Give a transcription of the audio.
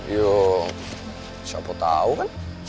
yuh siapa tahu kan